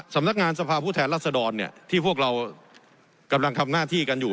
สำนักงานสภาพภูมิแทนรัฐสดรเนี่ยที่พวกเรากำลังทำง่าที่กันอยู่